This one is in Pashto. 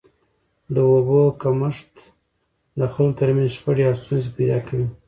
د اوبو کمښت د خلکو تر منځ شخړي او ستونزي پیدا کوي.